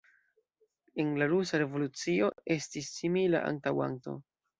En la rusa revolucio estis simila antaŭanto.